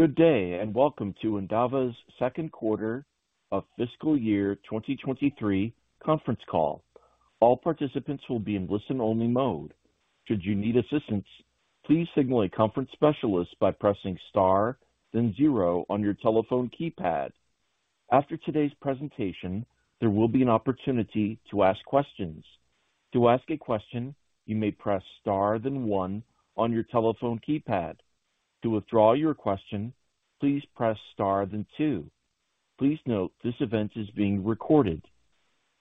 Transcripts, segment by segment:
Good day, and welcome to Endava's second quarter of fiscal year 2023 conference call. All participants will be in listen-only mode. Should you need assistance, please signal a conference specialist by pressing star, then zero on your telephone keypad. After today's presentation, there will be an opportunity to ask questions. To ask a question, you may press star, then one on your telephone keypad. To withdraw your question, please press star, then two. Please note this event is being recorded.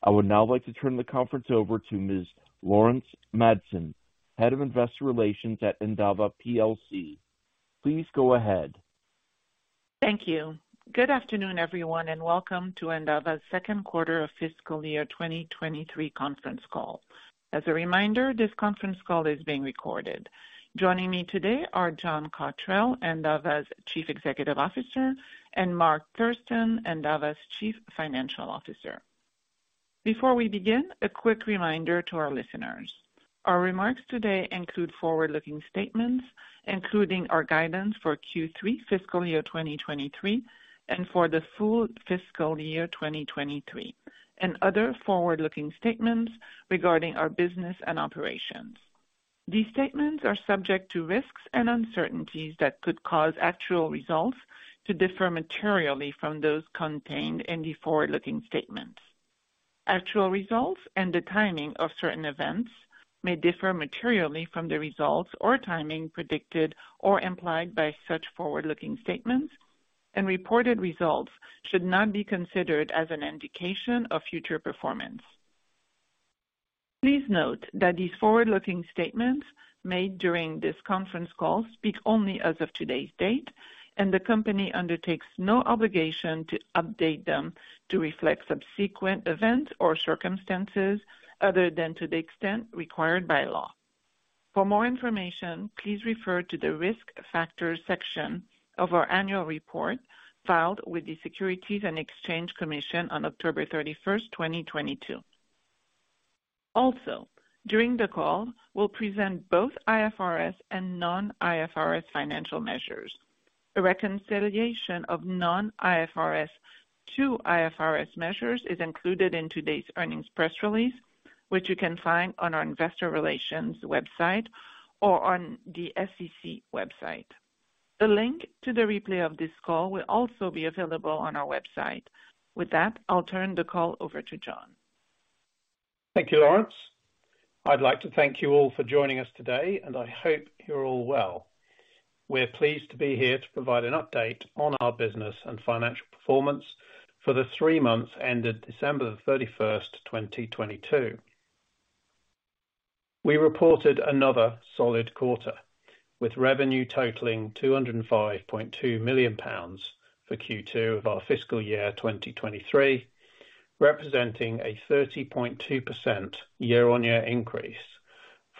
I would now like to turn the conference over to Ms. Laurence Madsen, Head of Investor Relations at Endava plc. Please go ahead. Thank you. Good afternoon, everyone, and welcome to Endava's second quarter of fiscal year 2023 conference call. As a reminder, this conference call is being recorded. Joining me today are John Cotterell, Endava's Chief Executive Officer, and Mark Thurston, Endava's Chief Financial Officer. Before we begin, a quick reminder to our listeners. Our remarks today include forward-looking statements, including our guidance for Q3 fiscal year 2023 and for the full fiscal year 2023, and other forward-looking statements regarding our business and operations. These statements are subject to risks and uncertainties that could cause actual results to differ materially from those contained in the forward-looking statements. Actual results and the timing of certain events may differ materially from the results or timing predicted or implied by such forward-looking statements and reported results should not be considered as an indication of future performance. Please note that these forward-looking statements made during this conference call speak only as of today's date, and the company undertakes no obligation to update them to reflect subsequent events or circumstances other than to the extent required by law. For more information, please refer to the risk factors section of our annual report filed with the Securities and Exchange Commission on October 31, 2022. During the call, we'll present both IFRS and non-IFRS financial measures. A reconciliation of non-IFRS to IFRS measures is included in today's earnings press release, which you can find on our investor relations website or on the SEC website. The link to the replay of this call will also be available on our website. With that, I'll turn the call over to John. Thank you, Laurence. I'd like to thank you all for joining us today, I hope you're all well. We're pleased to be here to provide an update on our business and financial performance for the three months ended December 31st, 2022. We reported another solid quarter with revenue totaling 205.2 million pounds for Q2 of our fiscal year 2023, representing a 30.2% year-on-year increase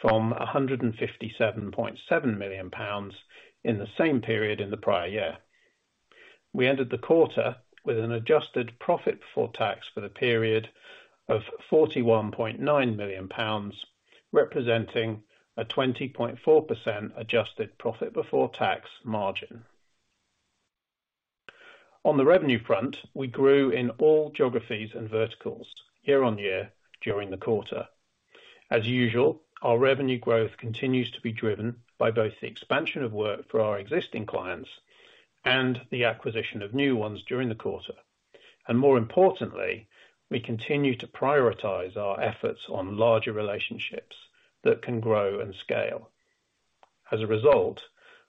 from 157.7 million pounds in the same period in the prior year. We ended the quarter with an adjusted profit before tax for the period of 41.9 million pounds, representing a 20.4% adjusted profit before tax margin. On the revenue front, we grew in all geographies and verticals year-on-year during the quarter. As usual, our revenue growth continues to be driven by both the expansion of work for our existing clients and the acquisition of new ones during the quarter. More importantly, we continue to prioritize our efforts on larger relationships that can grow and scale. As a result,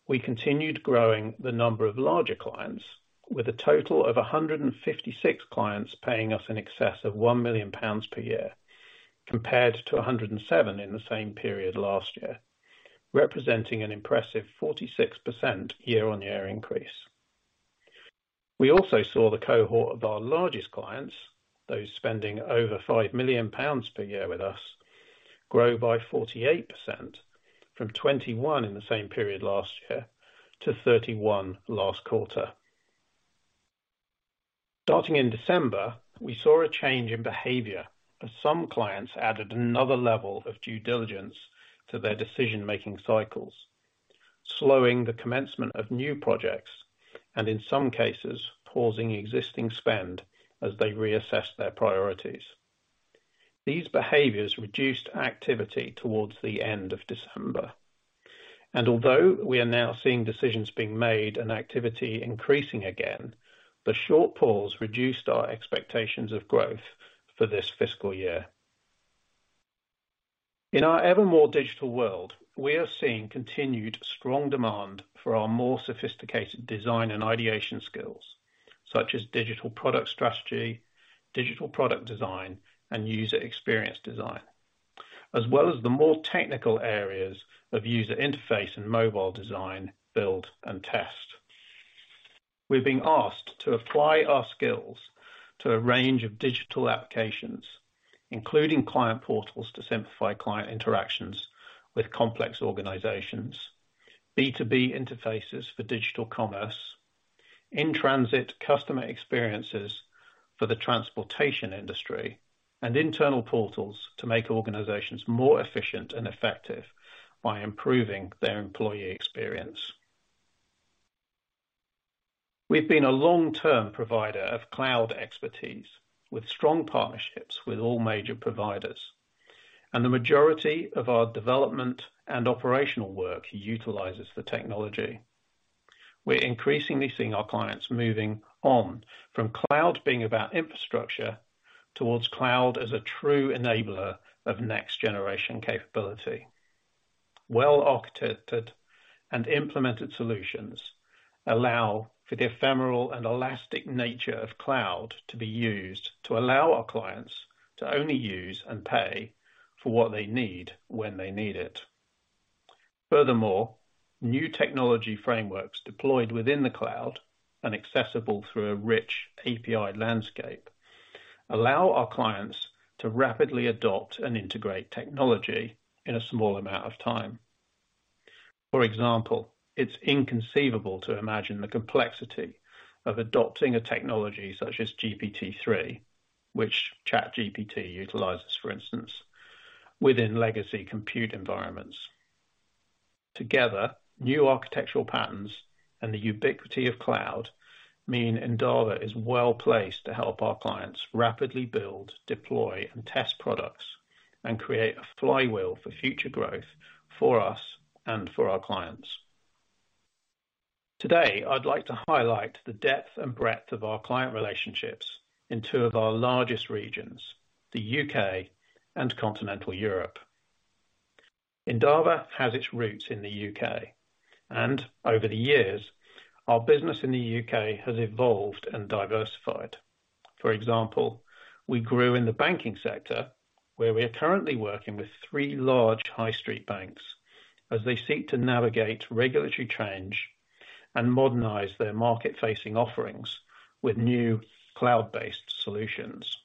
we continued growing the number of larger clients with a total of 156 clients paying us in excess of 1 million pounds per year, compared to 107 in the same period last year, representing an impressive 46% year-on-year increase. We also saw the cohort of our largest clients, those spending over 5 million pounds per year with us, grow by 48% from 21 in the same period last year to 31 last quarter. Starting in December, we saw a change in behavior as some clients added another level of due diligence to their decision-making cycles, slowing the commencement of new projects and in some cases pausing existing spend as they reassess their priorities. These behaviors reduced activity towards the end of December, although we are now seeing decisions being made and activity increasing again, the short pause reduced our expectations of growth for this fiscal year. In our ever more digital world, we are seeing continued strong demand for our more sophisticated design and ideation skills, such as digital product strategy, digital product design, and user experience design, as well as the more technical areas of user interface and mobile design, build, and test. We're being asked to apply our skills to a range of digital applications, including client portals to simplify client interactions with complex organizations, B2B interfaces for digital commerce, in-transit customer experiences for the transportation industry and internal portals to make organizations more efficient and effective by improving their employee experience. We've been a long-term provider of cloud expertise with strong partnerships with all major providers, and the majority of our development and operational work utilizes the technology. We're increasingly seeing our clients moving on from cloud being about infrastructure towards cloud as a true enabler of next generation capability. Well-architected and implemented solutions allow for the ephemeral and elastic nature of cloud to be used to allow our clients to only use and pay for what they need when they need it. Furthermore, new technology frameworks deployed within the cloud and accessible through a rich API landscape allow our clients to rapidly adopt and integrate technology in a small amount of time. For example, it's inconceivable to imagine the complexity of adopting a technology such as GPT-3, which ChatGPT utilizes, for instance, within legacy compute environments. Together, new architectural patterns and the ubiquity of cloud mean Endava is well-placed to help our clients rapidly build, deploy, and test products and create a flywheel for future growth for us and for our clients. Today, I'd like to highlight the depth and breadth of our client relationships in two of our largest regions, the U.K. and continental Europe. Endava has its roots in the U.K., and over the years, our business in the U.K. has evolved and diversified. For example, we grew in the banking sector, where we are currently working with three large high street banks as they seek to navigate regulatory change and modernize their market-facing offerings with new cloud-based solutions.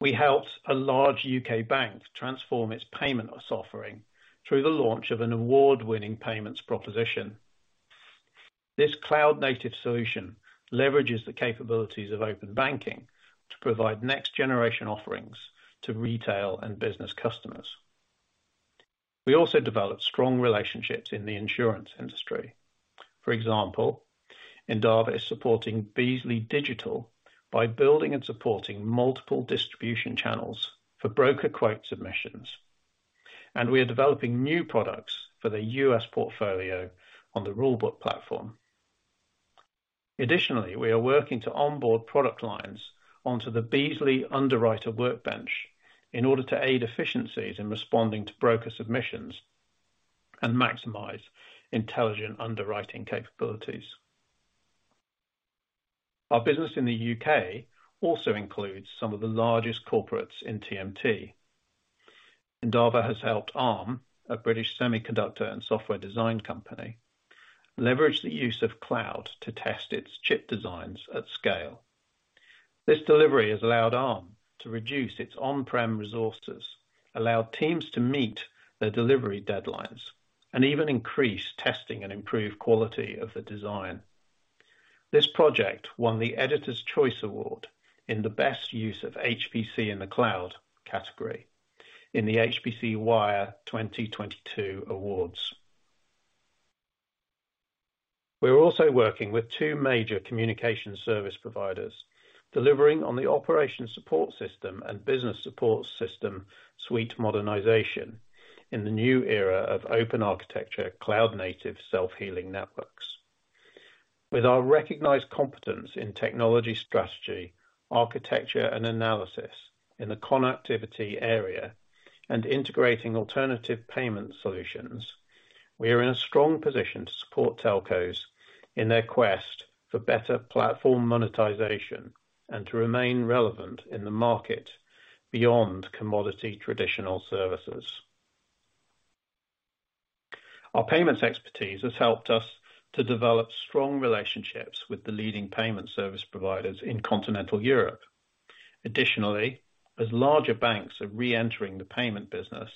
We helped a large U.K. bank transform its payments offering through the launch of an award-winning payments proposition. This cloud-native solution leverages the capabilities of open banking to provide next generation offerings to retail and business customers. We also developed strong relationships in the insurance industry. For example, Endava is supporting Beazley Digital by building and supporting multiple distribution channels for broker quote submissions, and we are developing new products for the U.S. portfolio on the Rulebook platform. Additionally, we are working to onboard product lines onto the Beazley underwriter workbench in order to aid efficiencies in responding to broker submissions and maximize intelligent underwriting capabilities. Our business in the U.K. also includes some of the largest corporates in TMT. Endava has helped Arm, a British semiconductor and software design company, leverage the use of cloud to test its chip designs at scale. This delivery has allowed Arm to reduce its on-prem resources, allowed teams to meet their delivery deadlines, and even increase testing and improve quality of the design. This project won the Editors' Choice Award in the best use of HPC in the cloud category in the HPCwire 2022 awards. We are also working with two major communication service providers delivering on the operation support system and business support system suite modernization in the new era of open architecture, cloud-native, self-healing networks. With our recognized competence in technology strategy, architecture, and analysis in the connectivity area and integrating alternative payment solutions, we are in a strong position to support telcos in their quest for better platform monetization and to remain relevant in the market beyond commodity traditional services. Our payments expertise has helped us to develop strong relationships with the leading payment service providers in continental Europe. Additionally, as larger banks are re-entering the payment business,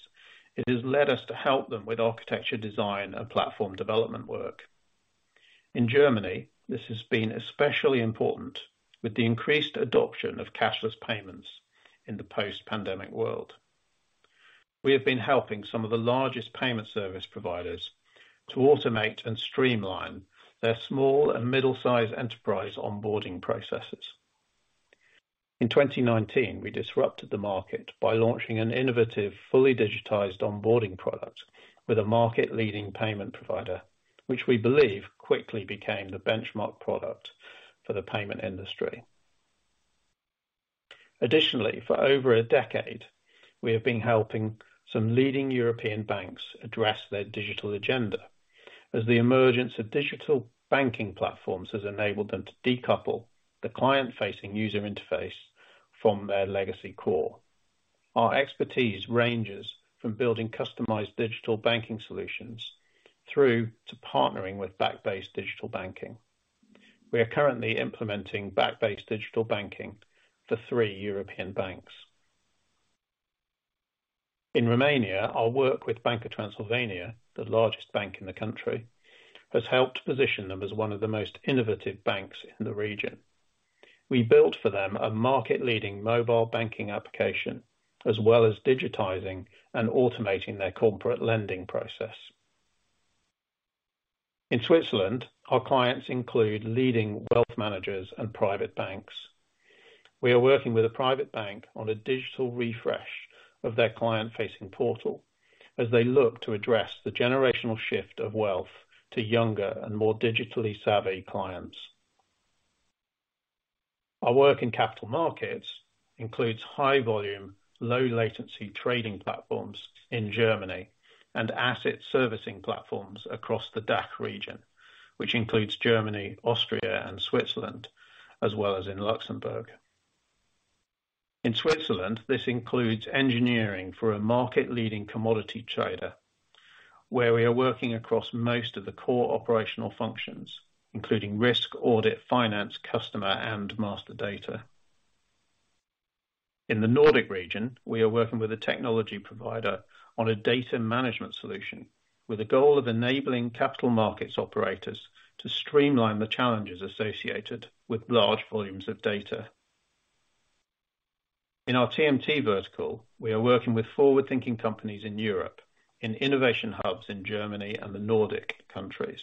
it has led us to help them with architecture design and platform development work. In Germany, this has been especially important with the increased adoption of cashless payments in the post-pandemic world. We have been helping some of the largest payment service providers to automate and streamline their small and middle-size enterprise onboarding processes. In 2019, we disrupted the market by launching an innovative, fully digitized onboarding product with a market-leading payment provider, which we believe quickly became the benchmark product for the payment industry. Additionally, for over a decade, we have been helping some leading European banks address their digital agenda as the emergence of digital banking platforms has enabled them to decouple the client-facing user interface from their legacy core. Our expertise ranges from building customized digital banking solutions through to partnering with Backbase Digital Banking. We are currently implementing Backbase Digital Banking for three European banks. In Romania, our work with Banca Transilvania, the largest bank in the country, has helped position them as one of the most innovative banks in the region. We built for them a market-leading mobile banking application, as well as digitizing and automating their corporate lending process. In Switzerland, our clients include leading wealth managers and private banks. We are working with a private bank on a digital refresh of their client-facing portal as they look to address the generational shift of wealth to younger and more digitally savvy clients. Our work in capital markets includes high volume, low latency trading platforms in Germany and asset servicing platforms across the DACH region, which includes Germany, Austria, and Switzerland, as well as in Luxembourg. In Switzerland, this includes engineering for a market-leading commodity trader, where we are working across most of the core operational functions, including risk, audit, finance, customer, and master data. In the Nordic region, we are working with a technology provider on a data management solution with a goal of enabling capital markets operators to streamline the challenges associated with large volumes of data. In our TMT vertical, we are working with forward-thinking companies in Europe in innovation hubs in Germany and the Nordic countries.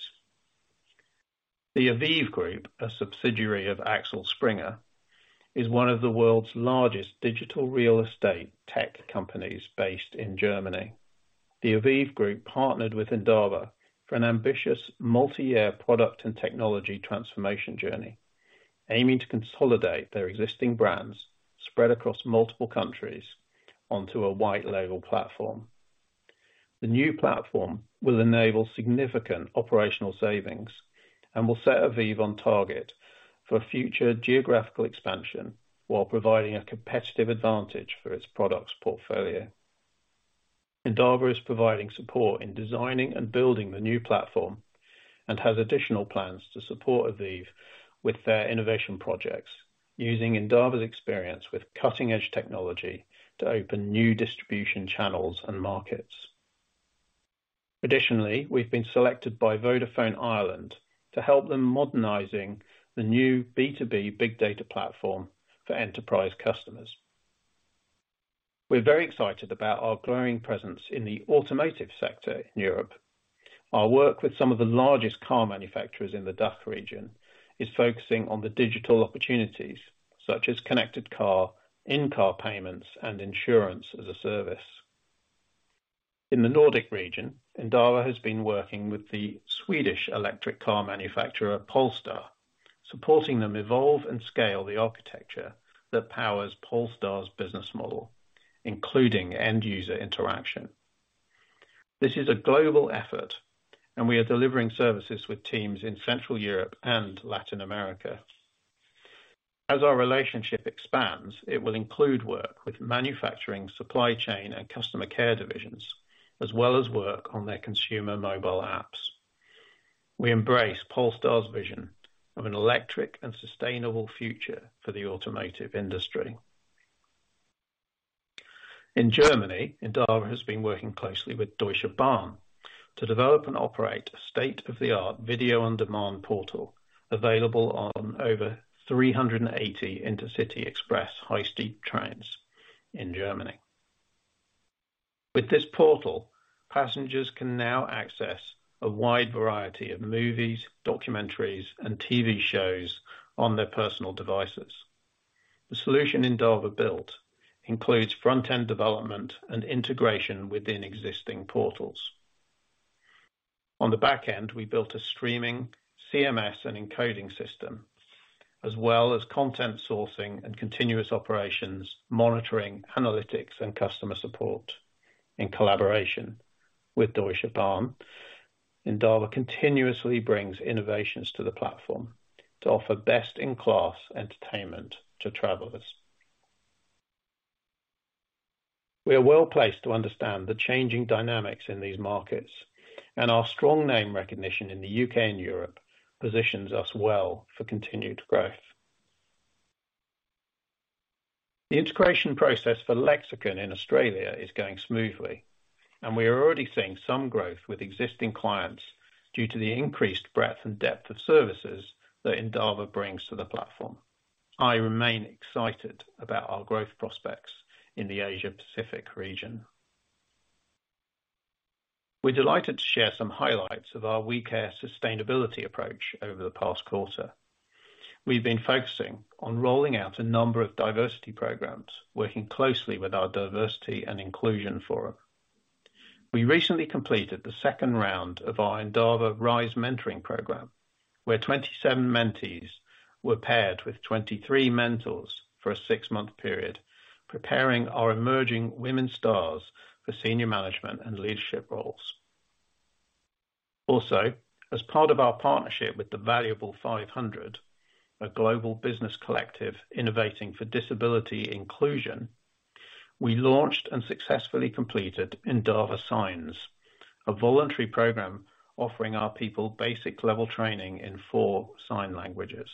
The AVIV Group, a subsidiary of Axel Springer, is one of the world's largest digital real estate tech companies based in Germany. The AVIV Group partnered with Endava for an ambitious multi-year product and technology transformation journey, aiming to consolidate their existing brands spread across multiple countries onto a white-label platform. The new platform will enable significant operational savings and will set AVIV on target for future geographical expansion while providing a competitive advantage for its products portfolio. Endava is providing support in designing and building the new platform and has additional plans to support AVIV with their innovation projects using Endava's experience with cutting-edge technology to open new distribution channels and markets. Additionally, we've been selected by Vodafone Ireland to help them modernizing the new B2B big data platform for enterprise customers. We're very excited about our growing presence in the automotive sector in Europe. Our work with some of the largest car manufacturers in the DACH region is focusing on the digital opportunities such as connected car, in-car payments, and insurance as a service. In the Nordic region, Endava has been working with the Swedish electric car manufacturer Polestar, supporting them evolve and scale the architecture that powers Polestar's business model, including end-user interaction. This is a global effort, and we are delivering services with teams in Central Europe and Latin America. As our relationship expands, it will include work with manufacturing, supply chain, and customer care divisions, as well as work on their consumer mobile apps. We embrace Polestar's vision of an electric and sustainable future for the automotive industry. In Germany, Endava has been working closely with Deutsche Bahn to develop and operate a state-of-the-art video-on-demand portal available on over 380 Intercity Express high-speed trains in Germany. With this portal, passengers can now access a wide variety of movies, documentaries, and TV shows on their personal devices. The solution Endava built includes front-end development and integration within existing portals. On the back end, we built a streaming CMS and encoding system, as well as content sourcing and continuous operations, monitoring, analytics, and customer support in collaboration with Deutsche Bahn. Endava continuously brings innovations to the platform to offer best-in-class entertainment to travelers. We are well-placed to understand the changing dynamics in these markets, and our strong name recognition in the U.K. and Europe positions us well for continued growth. The integration process for Lexicon in Australia is going smoothly, and we are already seeing some growth with existing clients due to the increased breadth and depth of services that Endava brings to the platform. I remain excited about our growth prospects in the Asia-Pacific region. We're delighted to share some highlights of our We Care sustainability approach over the past quarter. We've been focusing on rolling out a number of diversity programs, working closely with our diversity and inclusion forum. We recently completed the second round of our Endava RISE Mentoring program, where 27 mentees were paired with 23 mentors for a 6-month period, preparing our emerging women stars for senior management and leadership roles. As part of our partnership with the Valuable 500, a global business collective innovating for disability inclusion, we launched and successfully completed Endava Signs, a voluntary program offering our people basic level training in four sign languages.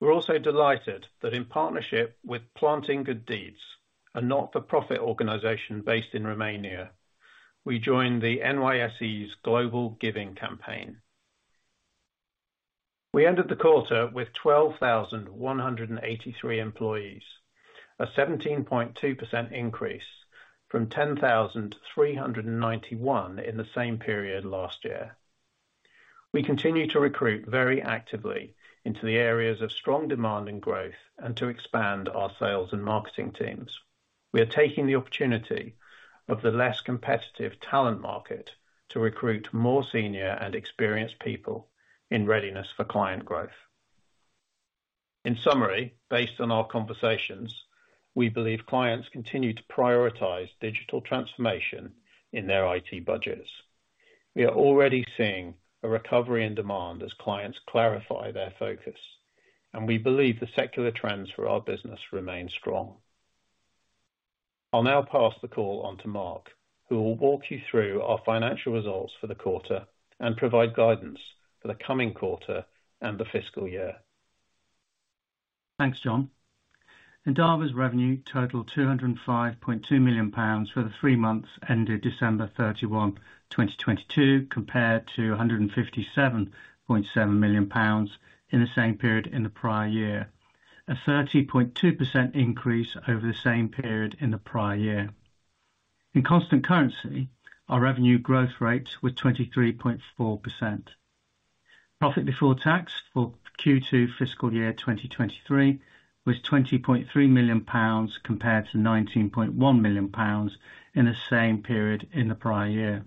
We're also delighted that in partnership with Planting Good Deeds, a not-for-profit organization based in Romania, we joined the NYSE's global giving campaign. We ended the quarter with 12,183 employees, a 17.2% increase from 10,391 in the same period last year. We continue to recruit very actively into the areas of strong demand and growth and to expand our sales and marketing teams. We are taking the opportunity of the less competitive talent market to recruit more senior and experienced people in readiness for client growth. In summary, based on our conversations, we believe clients continue to prioritize digital transformation in their IT budgets. We are already seeing a recovery and demand as clients clarify their focus, and we believe the secular trends for our business remain strong. I'll now pass the call on to Mark, who will walk you through our financial results for the quarter and provide guidance for the coming quarter and the fiscal year. Thanks, John. Endava's revenue totaled 205.2 million pounds for the three months ended December 31, 2022, compared to 157.7 million pounds in the same period in the prior year. A 30.2% increase over the same period in the prior year. In constant currency, our revenue growth rate was 23.4%. Profit before tax for Q2 fiscal year 2023 was 20.3 million pounds compared to 19.1 million pounds in the same period in the prior year.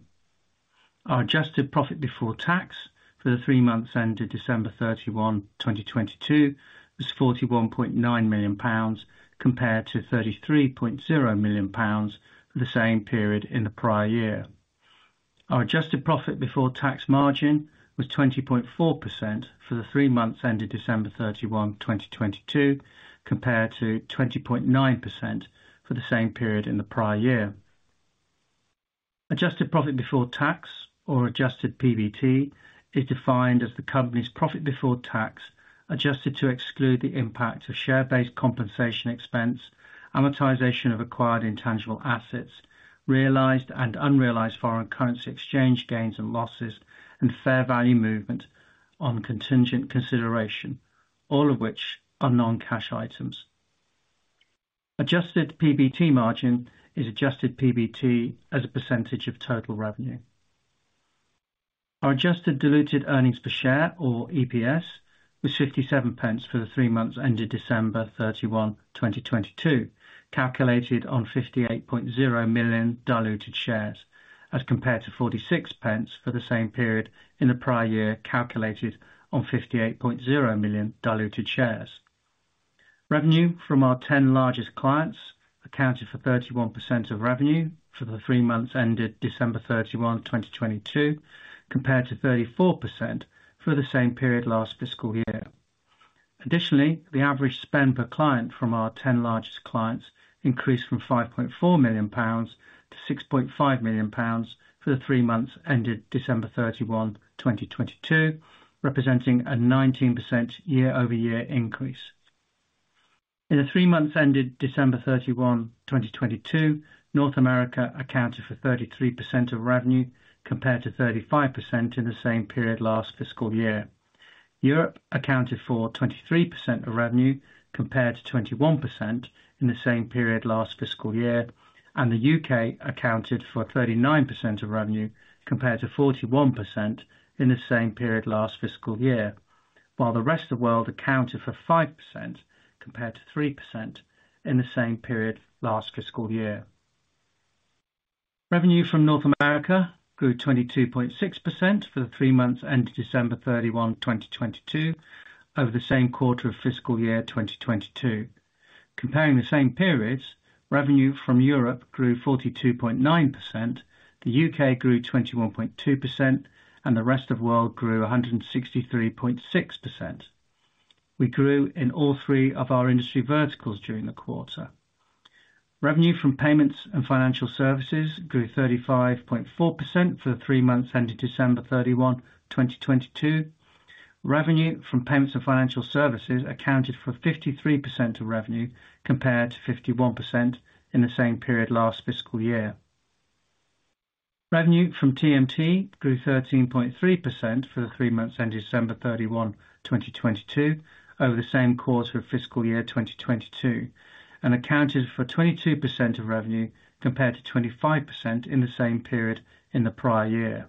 Our adjusted profit before tax for the three months ended December 31, 2022, was 41.9 million pounds compared to 33.0 million pounds for the same period in the prior year. Our adjusted profit before tax margin was 20.4% for the three months ended December 31, 2022, compared to 20.9% for the same period in the prior year. Adjusted profit before tax or adjusted PBT is defined as the company's profit before tax, adjusted to exclude the impact of share-based compensation expense, amortization of acquired intangible assets, realized and unrealized foreign currency exchange gains and losses, and fair value movement on contingent consideration, all of which are non-cash items. Adjusted PBT margin is adjusted PBT as a percentage of total revenue. Our adjusted diluted earnings per share or EPS was 0.57 for the three months ended December 31, 2022, calculated on 58.0 million diluted shares as compared to 0.46 for the same period in the prior year, calculated on 58.0 million diluted shares. Revenue from our ten largest clients accounted for 31% of revenue for the three months ended December 31, 2022, compared to 34% for the same period last fiscal year. Additionally, the average spend per client from our ten largest clients increased from 5.4 million pounds to 6.5 million pounds for the three months ended December 31, 2022, representing a 19% year-over-year increase. In the three months ended December 31, 2022, North America accounted for 33% of revenue, compared to 35% in the same period last fiscal year. Europe accounted for 23% of revenue compared to 21% in the same period last fiscal year, and the U.K. accounted for 39% of revenue compared to 41% in the same period last fiscal year. While the rest of world accounted for 5% compared to 3% in the same period last fiscal year. Revenue from North America grew 22.6% for the three months ended December 31, 2022, over the same quarter of fiscal year 2022. Comparing the same periods, revenue from Europe grew 42.9%, the U.K. grew 21.2%, and the rest of world grew 163.6%. We grew in all three of our industry verticals during the quarter. Revenue from payments and financial services grew 35.4% for the three months ended December 31, 2022. Revenue from payments and financial services accounted for 53% of revenue, compared to 51% in the same period last fiscal year. Revenue from TMT grew 13.3% for the three months ended December 31, 2022, over the same quarter of fiscal year 2022, and accounted for 22% of revenue compared to 25% in the same period in the prior year.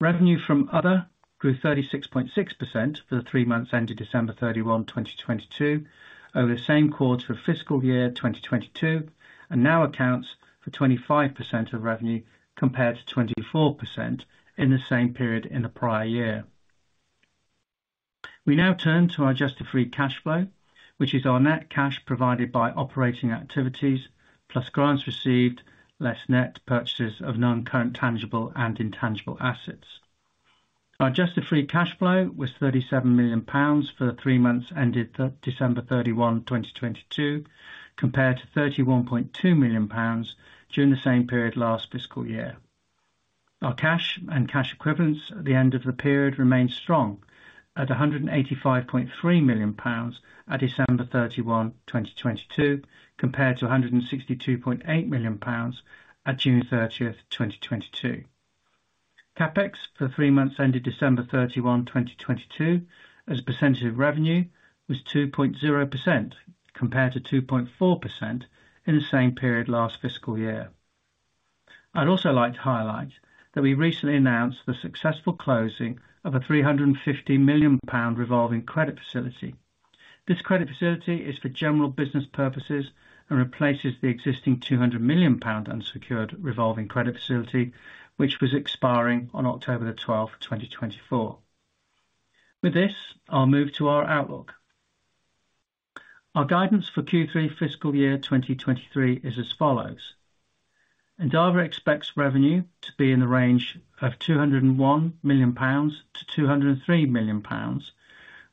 Revenue from other grew 36.6% for the three months ended December 31, 2022, over the same quarter for fiscal year 2022, and now accounts for 25% of revenue compared to 24% in the same period in the prior year. We now turn to our adjusted free cash flow, which is our net cash provided by operating activities plus grants received less net purchases of non-current tangible and intangible assets. Our adjusted free cash flow was 37 million pounds for the three months ended December 31, 2022, compared to 31.2 million pounds during the same period last fiscal year. Our cash and cash equivalents at the end of the period remained strong at 185.3 million pounds at December 31, 2022, compared to 162.8 million pounds at June 30, 2022. CapEx for three months ended December 31, 2022, as a percentage of revenue was 2.0% compared to 2.4% in the same period last fiscal year. I'd also like to highlight that we recently announced the successful closing of a 350 million pound revolving credit facility. This credit facility is for general business purposes and replaces the existing 200 million pound unsecured revolving credit facility, which was expiring on October 12, 2024. With this, I'll move to our outlook. Our guidance for Q3 fiscal year 2023 is as follows. Endava expects revenue to be in the range of 201 million-203 million pounds,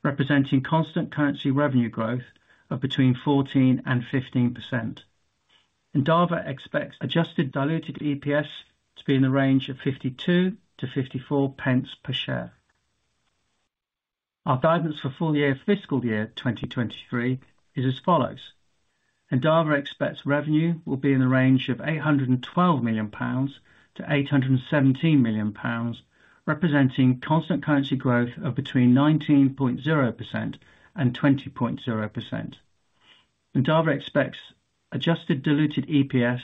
representing constant currency revenue growth of between 14% and 15%. Endava expects adjusted diluted EPS to be in the range of 0.52-0.54 per share. Our guidance for full year fiscal year 2023 is as follows. Endava expects revenue will be in the range of 812 million-817 million pounds, representing constant currency growth of between 19.0% and 20.0%. Endava expects adjusted diluted EPS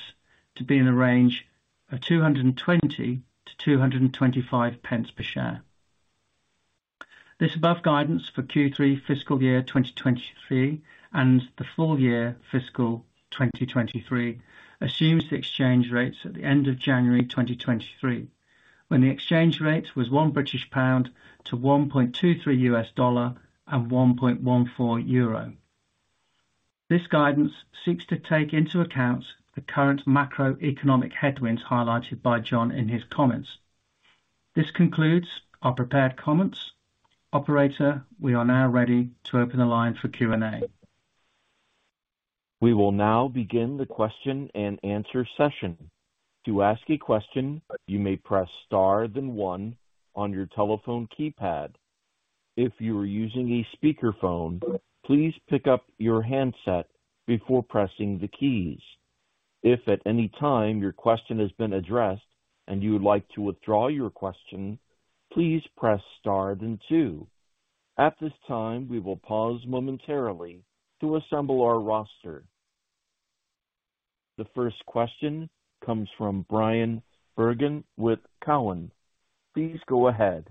to be in the range of 2.20-2.25 per share. This above guidance for Q3 fiscal year 2023 and the full year fiscal 2023 assumes the exchange rates at the end of January 2023, when the exchange rate was 1 British pound to 1.23 US dollar and 1.14 euro. This guidance seeks to take into account the current macroeconomic headwinds highlighted by John in his comments. This concludes our prepared comments. Operator, we are now ready to open the line for Q&A. We will now begin the question and answer session. To ask a question, you may press star then one on your telephone keypad. If you are using a speakerphone, please pick up your handset before pressing the keys. If at any time your question has been addressed and you would like to withdraw your question, please press star then two. At this time, we will pause momentarily to assemble our roster. The first question comes from Bryan Bergin with Cowen. Please go ahead.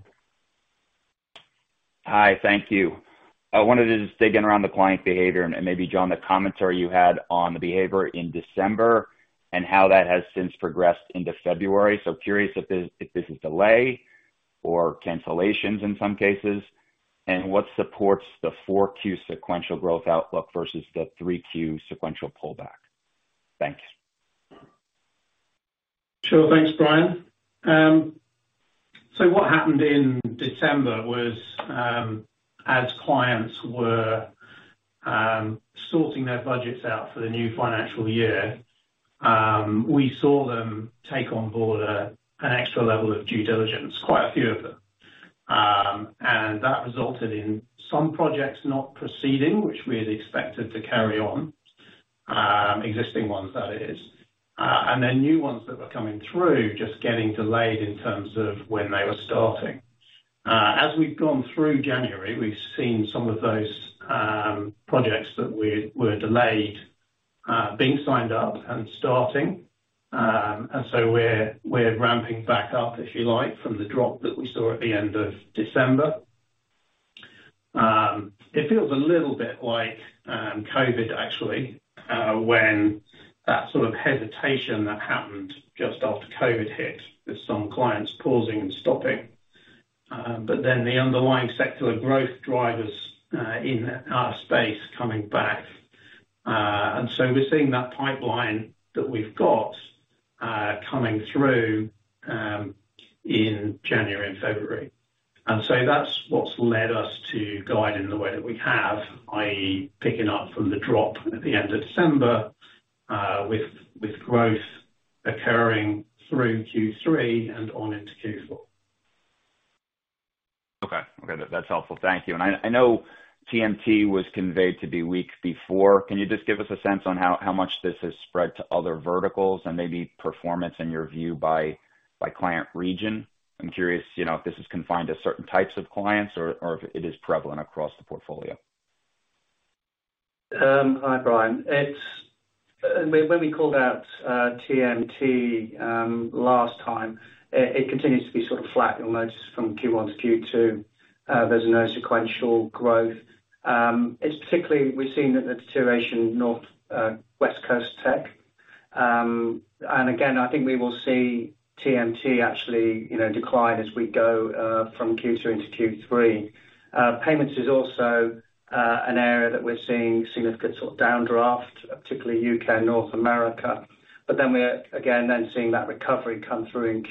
Hi. Thank you. I wanted to just dig in around the client behavior and maybe, John, the commentary you had on the behavior in December and how that has since progressed into February. Curious if this is delay or cancellations in some cases, and what supports the 4Q sequential growth outlook versus the 3Q sequential pullback. Thanks. Sure. Thanks, Bryan. What happened in December was, as clients were sorting their budgets out for the new financial year, we saw them take on board an extra level of due diligence, quite a few of them. That resulted in some projects not proceeding, which we had expected to carry on, existing ones that is. New ones that were coming through just getting delayed in terms of when they were starting. As we've gone through January, we've seen some of those projects that were delayed, being signed up and starting. We're, we're ramping back up, if you like, from the drop that we saw at the end of December. It feels a little bit like COVID actually, when that sort of hesitation that happened just after COVID hit, with some clients pausing and stopping. The underlying secular growth drivers in our space coming back. We're seeing that pipeline that we've got coming through in January and February. That's what's led us to guide in the way that we have, i.e., picking up from the drop at the end of December, with growth occurring through Q3 and on into Q4. Okay. That's helpful. Thank you. I know TMT was conveyed to be weak before. Can you just give us a sense on how much this has spread to other verticals and maybe performance in your view by client region? I'm curious, you know, if this is confined to certain types of clients or if it is prevalent across the portfolio. Hi, Bryan. When we called out TMT last time, it continues to be sort of flat. You'll notice from Q1 to Q2, there's no sequential growth. It's particularly we've seen the deterioration North West Coast tech. And again, I think we will see TMT actually, you know, decline as we go from Q2 into Q3. Payments is also an area that we're seeing significant sort of downdraft, particularly U.K. and North America, but then we're again then seeing that recovery come through in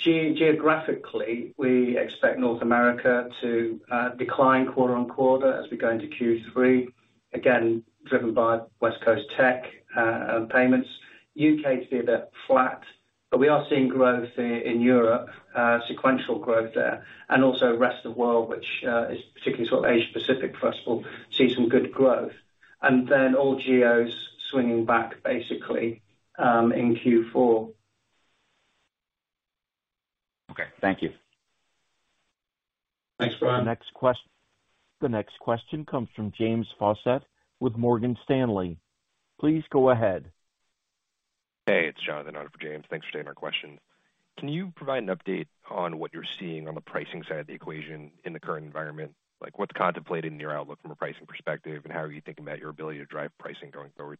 Q4. Geographically, we expect North America to decline quarter on quarter as we go into Q3, again driven by West Coast tech and payments. U.K. to be a bit flat. We are seeing growth in Europe, sequential growth there and also rest of world, which is particularly sort of Asia Pacific for us, will see some good growth. All geos swinging back basically, in Q4. Okay. Thank you. Thanks, Bryan. The next question comes from James Fawcett with Morgan Stanley. Please go ahead. Hey, it's Jonathan on it for James. Thanks for taking our question. Can you provide an update on what you're seeing on the pricing side of the equation in the current environment? Like what's contemplated in your outlook from a pricing perspective, and how are you thinking about your ability to drive pricing going forward?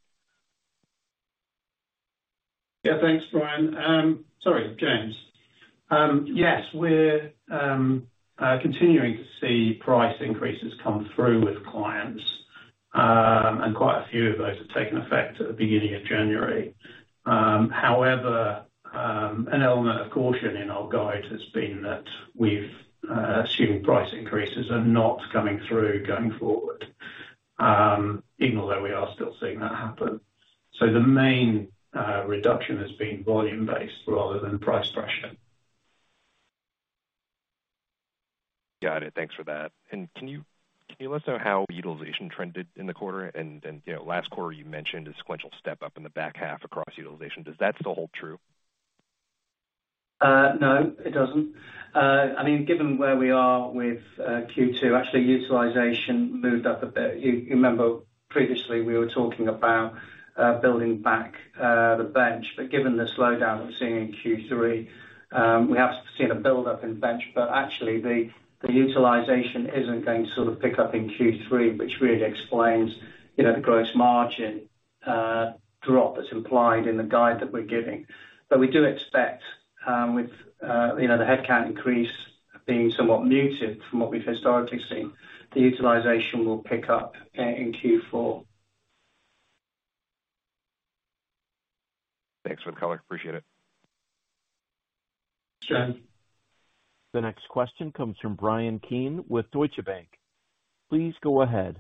Yeah. Thanks, Bryan. Sorry, James. Yes, we're continuing to see price increases come through with clients. Quite a few of those have taken effect at the beginning of January. However, an element of caution in our guide has been that we've assumed price increases are not coming through going forward, even though we are still seeing that happen. The main reduction has been volume-based rather than price pressure. Got it. Thanks for that. Can you let us know how utilization trended in the quarter? You know, last quarter you mentioned a sequential step-up in the back half across utilization. Does that still hold true? No, it doesn't. I mean, given where we are with Q2, actually utilization moved up a bit. You remember previously we were talking about building back the bench, but given the slowdown that we're seeing in Q3, we have seen a build up in bench, but actually the utilization isn't going to sort of pick up in Q3, which really explains, you know, the gross margin drop that's implied in the guide that we're giving. We do expect, with, you know, the headcount increase being somewhat muted from what we've historically seen, the utilization will pick up in Q4. Thanks for the color. Appreciate it. Sure. The next question comes from Bryan Keane with Deutsche Bank. Please go ahead.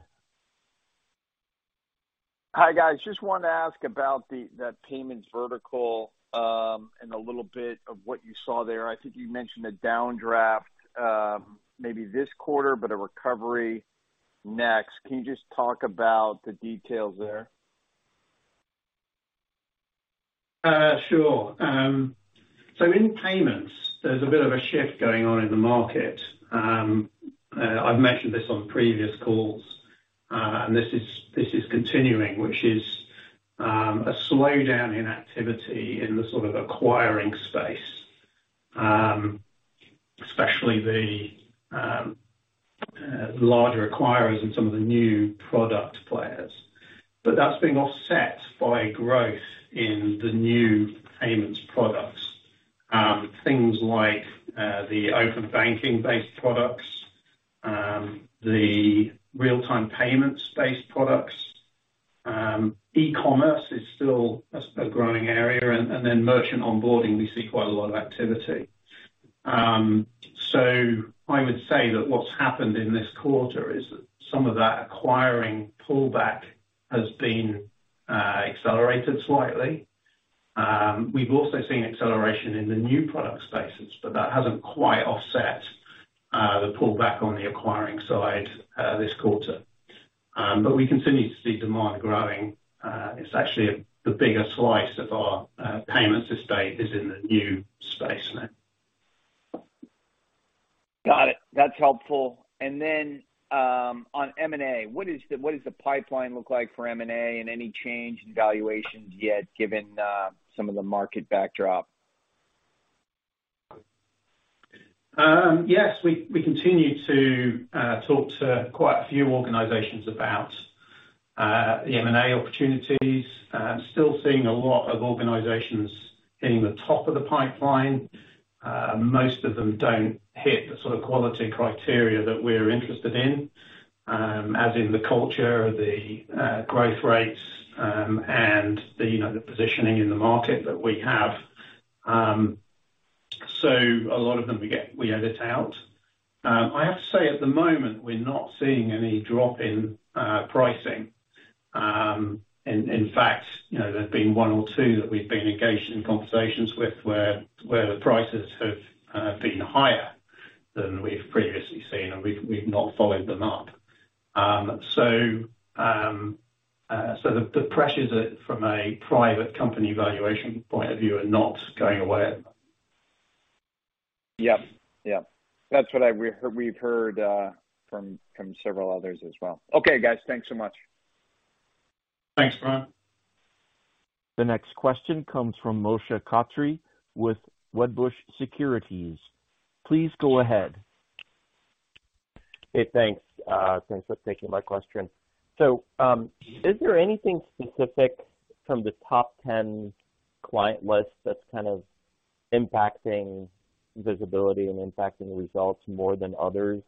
Hi, guys. Just wanted to ask about the payments vertical, and a little bit of what you saw there. I think you mentioned a downdraft, maybe this quarter, but a recovery next. Can you just talk about the details there? Sure. In payments, there's a bit of a shift going on in the market. I've mentioned this on previous calls, this is continuing, which is a slowdown in activity in the sort of acquiring space, especially the larger acquirers and some of the new product players. That's being offset by growth in the new payments products, things like the open banking-based products, the real-time payments-based products. E-commerce is still a growing area and then merchant onboarding, we see quite a lot of activity. I would say that what's happened in this quarter is that some of that acquiring pullback has been accelerated slightly. We've also seen acceleration in the new product spaces, but that hasn't quite offset the pullback on the acquiring side this quarter. We continue to see demand growing. It's actually the bigger slice of our payments estate is in the new space now. Got it. That's helpful. On M&A, what does the pipeline look like for M&A and any change in valuations yet, given some of the market backdrop? Yes. We continue to talk to quite a few organizations about the M&A opportunities. Still seeing a lot of organizations hitting the top of the pipeline. Most of them don't hit the sort of quality criteria that we're interested in, as in the culture, the growth rates, and the, you know, the positioning in the market that we have. A lot of them we edit out. I have to say at the moment, we're not seeing any drop in pricing. In fact, you know, there have been one or two that we've been engaged in conversations with where the prices have been higher than we've previously seen, and we've not followed them up. The pressures, from a private company valuation point of view, are not going away. Yep. That's what we've heard from several others as well. Okay, guys. Thanks so much. Thanks, Bryan. The next question comes from Moshe Katri with Wedbush Securities. Please go ahead. Hey, thanks. Thanks for taking my question. Is there anything specific from the top 10 client list that's kind of impacting visibility and impacting results more than others?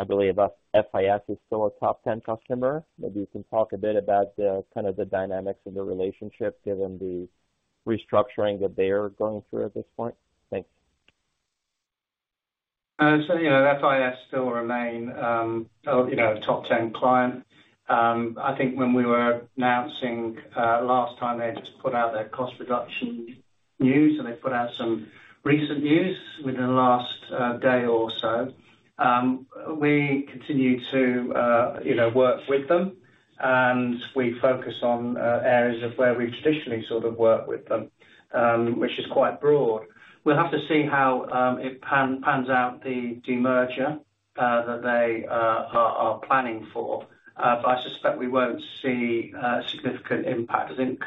I believe FIS is still a top 10 customer. Maybe you can talk a bit about the, kind of the dynamics of the relationship given the restructuring that they're going through at this point. Thanks. You know, FIS still remain, you know, a top 10 client. I think when we were announcing, last time they had just put out their cost reduction news, and they put out some recent news within the last day or so. We continue to, you know, work with them, and we focus on areas of where we traditionally sort of work with them, which is quite broad. We'll have to see how it pans out the demerger that they are planning for, but I suspect we won't see significant impact. I think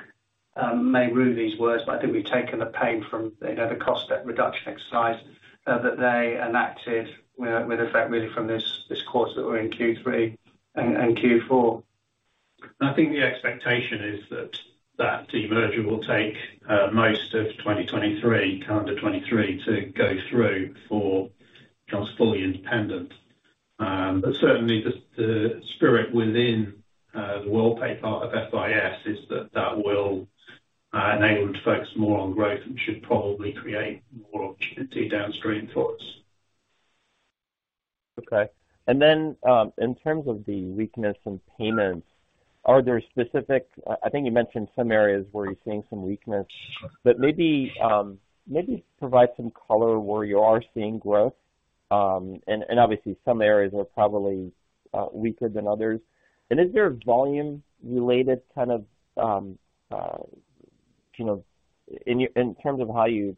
may rue these words, but I think we've taken the pain from, you know, the cost reduction exercise that they enacted with effect really from this quarter we're in, Q3 and Q4. I think the expectation is that that demerger will take most of 2023, calendar 2023, to go through before it becomes fully independent. Certainly the spirit within the Worldpay part of FIS is that that will enable them to focus more on growth and should probably create more opportunity downstream for us. Okay. In terms of the weakness in payments, are there specific... I think you mentioned some areas where you're seeing some weakness, but maybe provide some color where you are seeing growth. Obviously some areas are probably weaker than others. Is there a volume related kind of, you know, in your, in terms of how you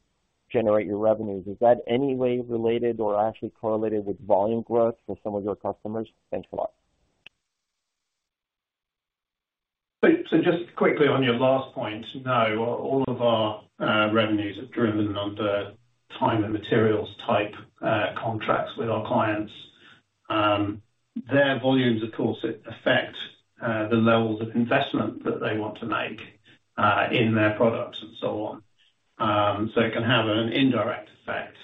generate your revenues, is that any way related or actually correlated with volume growth for some of your customers? Thanks a lot. Just quickly on your last point, no, all of our revenues are driven under time and materials type contracts with our clients. Their volumes of course affect the levels of investment that they want to make in their products and so on. It can have an indirect effect.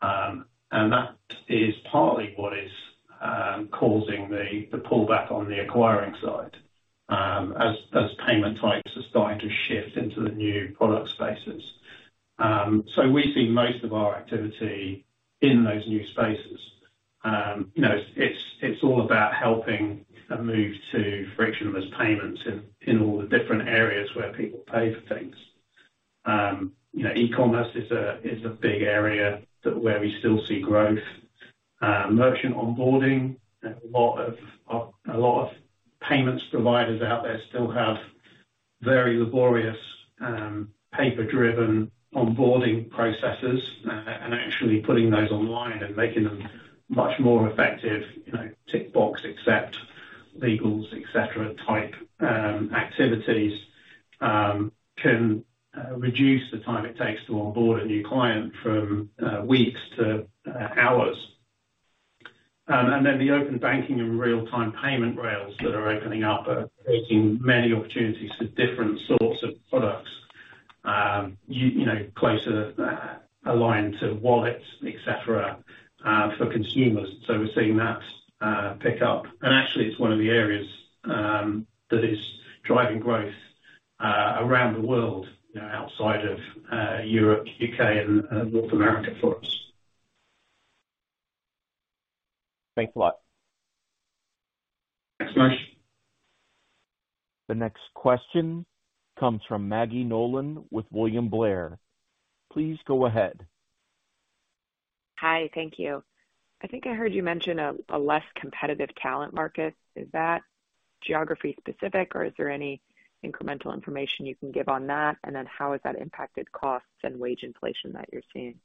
That is partly what is causing the pullback on the acquiring side, as payment types are starting to shift into the new product spaces. We see most of our activity in those new spaces. You know, it's, it's all about helping a move to frictionless payments in all the different areas where people pay for things. You know, e-commerce is a big area that, where we still see growth. Merchant onboarding, a lot of payments providers out there still have very laborious, paper driven onboarding processes. Actually putting those online and making them much more effective, you know, tick box, accept legals, et cetera, type activities, can reduce the time it takes to onboard a new client from weeks to hours. Then the open banking and real time payment rails that are opening up are creating many opportunities for different sorts of products, you know, closer aligned to wallets, et cetera, for consumers. We're seeing that pick up. Actually it's one of the areas that is driving growth around the world, you know, outside of Europe, U.K. and North America for us. Thanks a lot. Thanks very much. The next question comes from Maggie Nolan with William Blair. Please go ahead. Hi. Thank you. I think I heard you mention a less competitive talent market. Is that geography specific or is there any incremental information you can give on that? How has that impacted costs and wage inflation that you're seeing?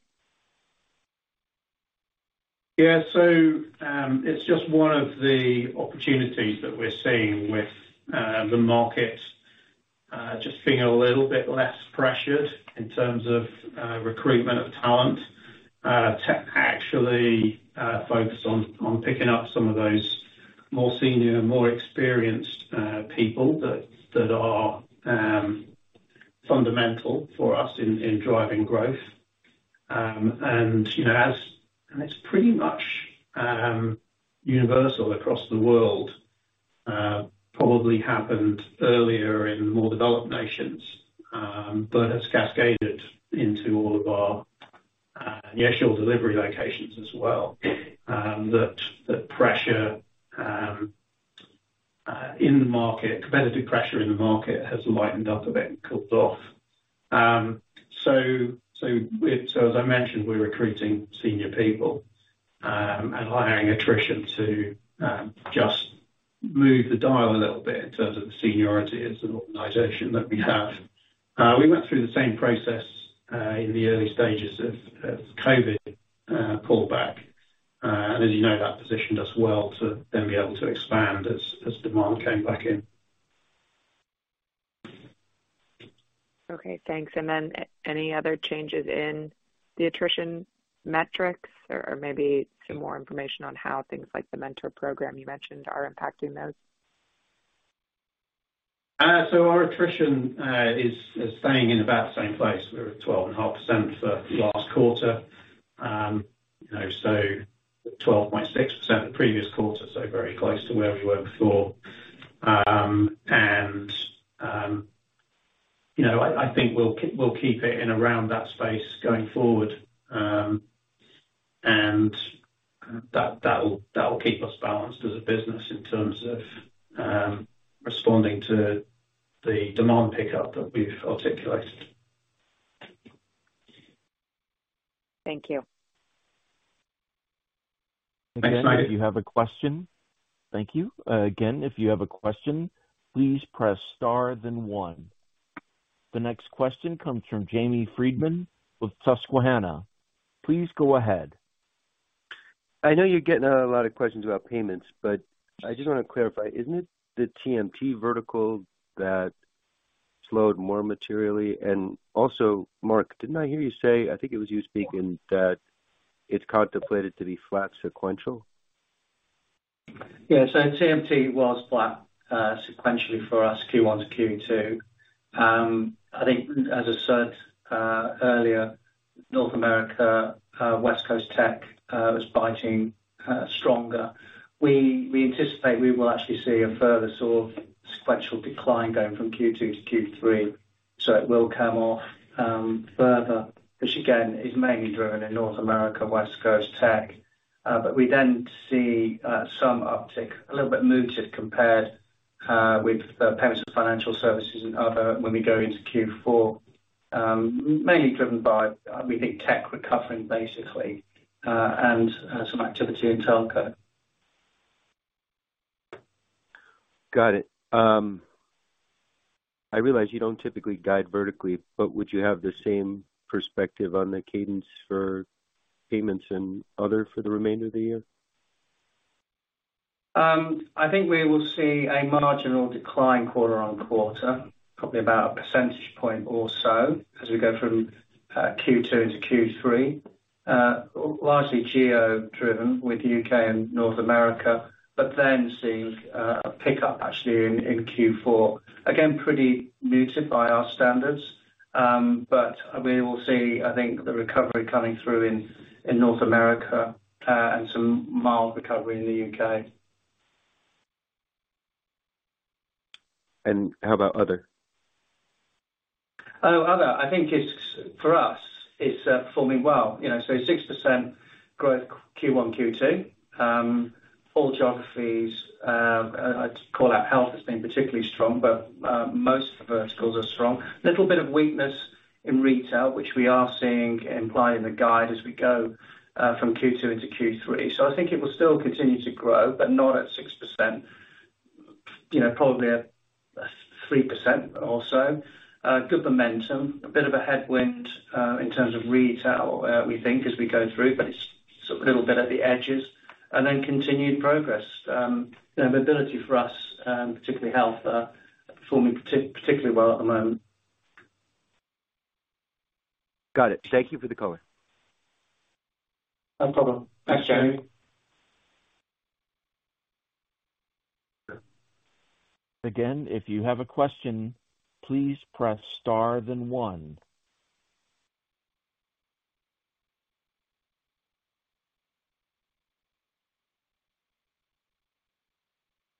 Yeah. It's just one of the opportunities that we're seeing with the markets just being a little bit less pressured in terms of recruitment of talent. Tech actually focus on picking up some of those more senior, more experienced people that are fundamental for us in driving growth. You know, it's pretty much universal across the world, probably happened earlier in more developed nations, has cascaded into all of our initial delivery locations as well. That pressure in the market, competitive pressure in the market has lightened up a bit and cooled off. As I mentioned, we're recruiting senior people, allowing attrition to just move the dial a little bit in terms of the seniority as an organization that we have. We went through the same process in the early stages of COVID pullback. As you know, that positioned us well to then be able to expand as demand came back in. Okay, thanks. Any other changes in the attrition metrics or maybe some more information on how things like the mentor program you mentioned are impacting those? Our attrition is staying in about the same place. We were at 12.5% for last quarter. You know, 12.6% the previous quarter, very close to where we were before. You know, I think we'll keep it in around that space going forward. That will keep us balanced as a business in terms of responding to the demand pickup that we've articulated. Thank you. Thanks, Maggie. Thank you. Again, if you have a question, please press star then 1. The next question comes from Jamie Friedman with Susquehanna. Please go ahead. I know you're getting a lot of questions about payments, but I just want to clarify, isn't it the TMT vertical that slowed more materially? Mark, didn't I hear you say, I think it was you speaking, that it's contemplated to be flat sequential? Yeah. TMT was flat sequentially for us Q1 to Q2. I think as I said earlier, North America, West Coast tech was biting stronger. We anticipate we will actually see a further sort of sequential decline going from Q2 to Q3, it will come off further, which again, is mainly driven in North America, West Coast tech. We then see some uptick, a little bit moot if compared with the payments to financial services and other when we go into Q4, mainly driven by, we think tech recovering basically, and some activity in telco. Got it. I realize you don't typically guide vertically, but would you have the same perspective on the cadence for payments and other for the remainder of the year? I think we will see a marginal decline quarter on quarter, probably about 1 percentage point or so as we go from Q2 into Q3. Largely geo driven with U.K. and North America, seeing a pickup actually in Q4. Again, pretty muted by our standards. We will see, I think the recovery coming through in North America, and some mild recovery in the UK. How about other? Other, I think it's, for us, it's performing well, you know. 6% growth Q1, Q2. All geographies, I'd call out health as being particularly strong, but most verticals are strong. Little bit of weakness in retail, which we are seeing implied in the guide as we go from Q2 into Q3. I think it will still continue to grow, but not at 6%, you know, probably at 3% or so. Good momentum. A bit of a headwind in terms of retail, we think as we go through, but it's a little bit at the edges. Continued progress. You know, mobility for us, particularly health, performing particularly well at the moment. Got it. Thank you for the color. No problem. Thanks, Jamie. Again, if you have a question, please press star then one.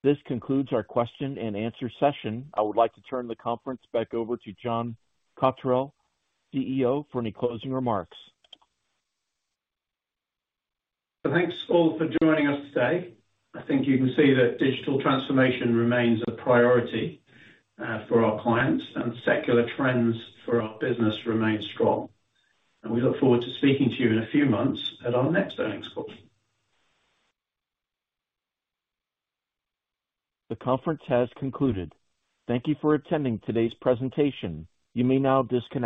This concludes our question and answer session. I would like to turn the conference back over to John Cotterell, CEO, for any closing remarks. Thanks all for joining us today. I think you can see that digital transformation remains a priority, for our clients, and secular trends for our business remain strong. We look forward to speaking to you in a few months at our next earnings call. The conference has concluded. Thank you for attending today's presentation. You may now disconnect.